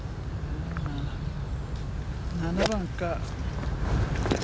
７番か。